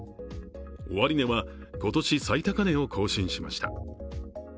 終値は今年最高値を更新しました。